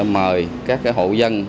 mời các hộ dân